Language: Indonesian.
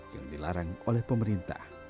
yang dilarang oleh pemerintah